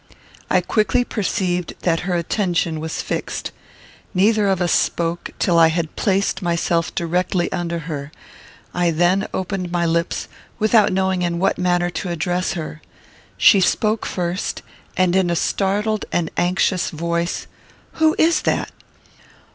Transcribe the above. I quickly perceived that her attention was fixed. Neither of us spoke, till I had placed myself directly under her; I then opened my lips, without knowing in what manner to address her. She spoke first, and in a startled and anxious voice: "Who is that?"